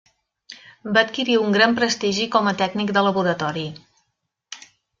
Va adquirir un gran prestigi com a tècnic de laboratori.